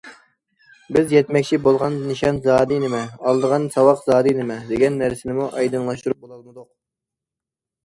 بىز يەتمەكچى بولغان نىشان زادى نېمە؟ ئالىدىغان ساۋاق زادى نېمە؟ دېگەن نەرسىنىمۇ ئايدىڭلاشتۇرۇپ بولالمىدۇق.